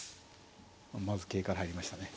まず桂から入りましたね。